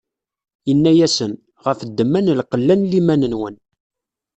Inna-asen: Ɣef ddemma n lqella n liman-nwen.